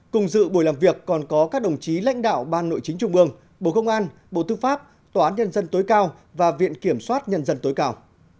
cùng dự buổi làm việc còn có các đồng chí lãnh đạo ban nội chính trung ương bộ công an bộ tư pháp tòa án nhân dân tối cao và viện kiểm soát nhân dân tối cao